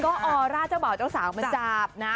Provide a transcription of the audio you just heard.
ก็ออร่าเจ้าบ่าวเจ้าสาวมาจับนะ